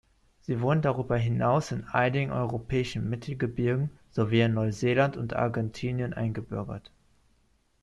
Sie wurden darüber hinaus in einigen europäischen Mittelgebirgen sowie in Neuseeland und Argentinien eingebürgert.